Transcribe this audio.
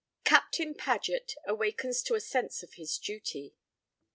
CAPTAIN PAGET AWAKENS TO A SENSE OF HIS DUTY.